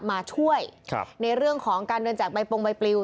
มาช่วยครับในเรื่องของการเดินแจกใบปงใบปลิว